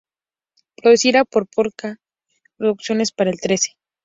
Producida por Pol-ka Producciones para El Trece.